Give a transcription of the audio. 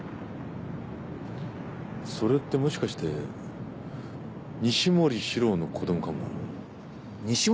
それってもしかして西森史郎の子供かもな。